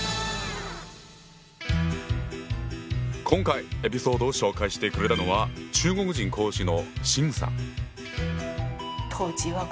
今回エピソードを紹介してくれたのは中国人講師の秦さん。